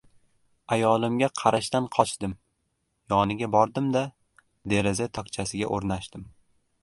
Ayolimga qarashdan qochdim, yoniga bordim-da, deraza tokchasiga oʻrnashdim…